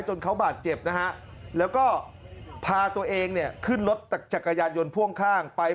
จนเขาบาดเจ็บนะฮะแล้วก็พาตัวเองเนี่ยขึ้นรถจักรยานยนต์พ่วงข้างไป